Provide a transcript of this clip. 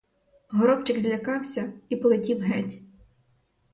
Горобчик злякався і полетів геть.